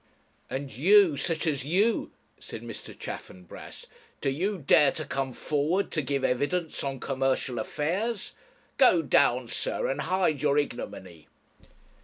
'And you, such as you,' said Mr. Chaffanbrass, 'do you dare to come forward to give evidence on commercial affairs? Go down, sir, and hide your ignominy.'